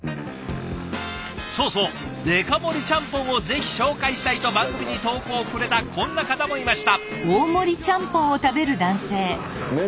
そうそう「デカ盛りちゃんぽんをぜひ紹介したい」と番組に投稿をくれたこんな方もいました。